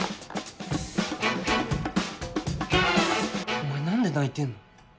お前何で泣いてんの？